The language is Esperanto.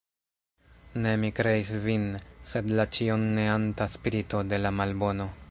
Ne mi kreis vin, sed la ĉion neanta spirito de la Malbono.